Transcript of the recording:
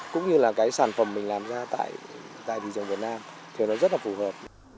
cũng như là cái sản phẩm mình làm ra tại thị trường việt nam thì nó rất là phù hợp